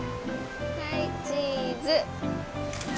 はいチーズ